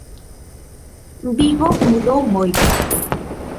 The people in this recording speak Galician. Vigo mudou moito.